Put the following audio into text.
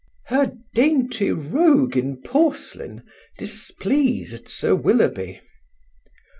Her "dainty rogue in porcelain" displeased Sir Willoughby.